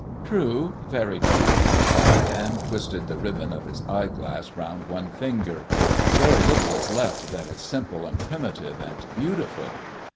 "True, very true," he replied, and twisted the ribbon of his eyeglass round one finger. "Very little is left that is simple and primitive and beautiful."